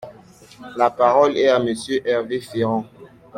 La parole est à Monsieur Hervé Féron.